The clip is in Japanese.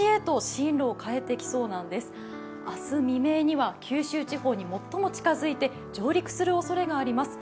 未明には九州地方に最も近づいて上陸するおそれがあります。